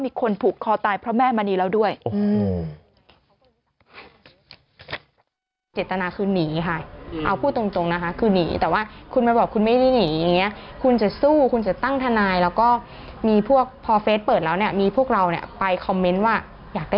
มีคนผูกคอตายเพราะแม่มณีแล้วด้วย